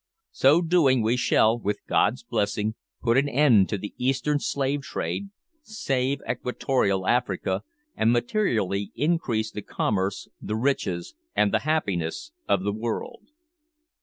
So doing we shall, with God's blessing, put an end to the Eastern slave trade, save equatorial Africa, and materially increase the commerce, the riches, and the happiness of the world.